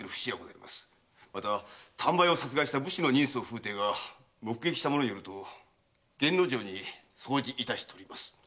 また丹波屋を殺害した武士の人相風体が目撃した者によると源之丞に相似いたしております。